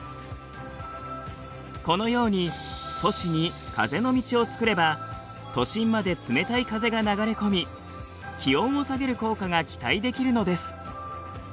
このように都市に風の道を作れば都心まで冷たい風が流れ込み気温を下げる効果が期待できるのです。